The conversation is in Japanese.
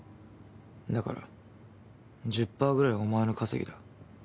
だから１０％ぐらいはお前の稼ぎだ。